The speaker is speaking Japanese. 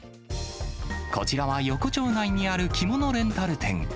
こちらは、横丁内にあるきものレンタル店。